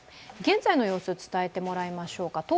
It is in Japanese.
現在の様子を伝えてもらいましょうか。